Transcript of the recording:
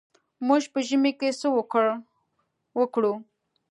موږ په ژمي کې څه وکړو.